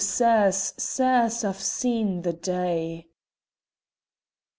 sirs, sirs! I've seen the day!"